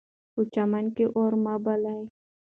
په چمن کې اور مه بلئ.